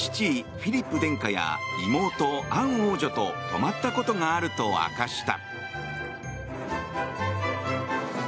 フィリップ殿下や妹アン王女と泊まったことがあると明かした。